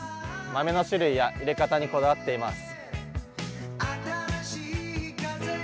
豆の種類や入れ方にこだわっています。